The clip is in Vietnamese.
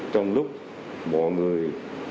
trong lúc mọi người